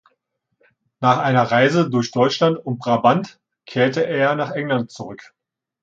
Nach einer Reise durch Deutschland und Brabant kehrte er nach England zurück.